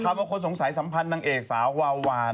เขาบอกว่าคนสงสัยสัมพันธ์นางเอกสาววาววา